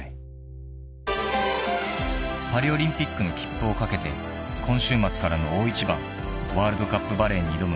［パリオリンピックの切符をかけて今週末からの大一番ワールドカップバレーに挑む宮部選手］